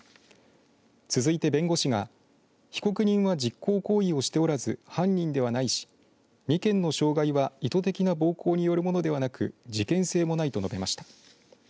続いて弁護士が被告人は実行行為をしておらず犯人ではないし２件の傷害は、意図的な暴行によるものではなく事件性もないと述べました。